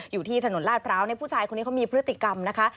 อยู่ที่ถนนลาดพร้าวผู้ชายคนนี้เขามีพฤติกรรมนะคะ